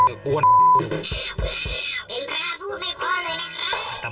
เป็นพระพูดไม่พอเลยนะครับ